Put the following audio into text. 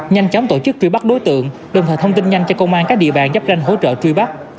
nhanh chóng tổ chức truy bắt đối tượng đồng thời thông tin nhanh cho công an các địa bàn giáp ranh hỗ trợ truy bắt